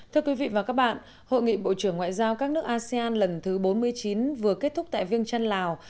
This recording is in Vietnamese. thưa quý vị và các bạn hội nghị bộ trưởng ngoại giao các nước asean lần thứ bốn mươi chín vừa kết thúc tại viêng trăn lào